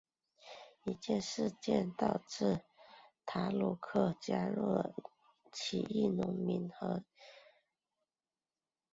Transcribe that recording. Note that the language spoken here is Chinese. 这一事件导致塔鲁克加入起义农民和重新激起暴乱。